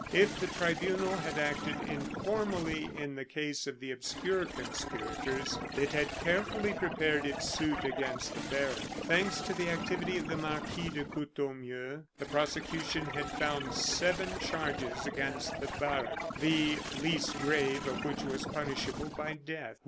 If the tribunal had acted informally in the case of the obscure conspirators, it had carefully prepared its suit against the baron. Thanks to the activity of the Marquis de Courtornieu, the prosecution had found seven charges against the baron, the least grave of which was punishable by death.